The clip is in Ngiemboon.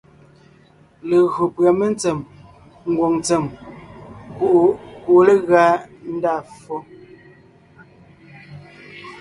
Legÿo pʉ̀a mentsém ngwòŋ ntsèm kuʼu kuʼu legʉa ndá ffo.